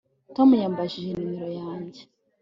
Tom yambajije nimero yanjye